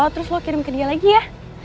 terus lo kirim ke dia lagi ya